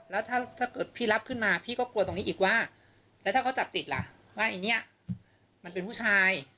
แล้วถ้าเกิดพี่รับขึ้นมาพี่ก็กลัวตรงนี้อีกว่าแล้วถ้าเขาจับติดล่ะว่าไอ้เนี่ยมันเป็นผู้ชาย